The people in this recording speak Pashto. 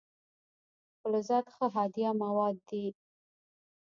فلزات ښه هادي مواد دي.